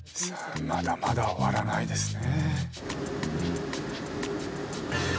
まだまだ終わらないですね。